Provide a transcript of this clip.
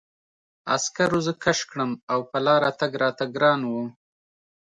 عسکرو زه کش کړم او په لاره تګ راته ګران و